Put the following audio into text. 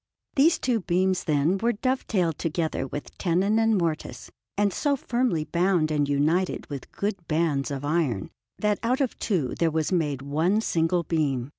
These two beams, then, were dove tailed together with tenon and mortise, and so firmly bound and united with good bands of iron, that out of two there was made one single beam.